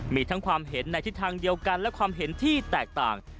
มีทั้งความเห็นในทิศทางเดียวกันและความเห็นที่แตกต่าง